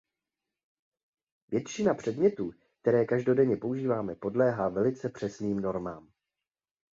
Většina předmětů, které každodenně používáme, podléhá velice přesným normám.